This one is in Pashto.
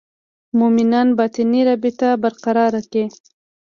مومنان باطني رابطه برقراره کړي.